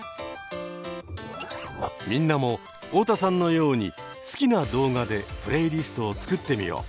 みんなも太田さんのように好きな動画でプレイリストを作ってみよう。